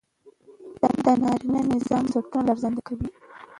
د نارينه نظام بنسټونه لړزانده کوي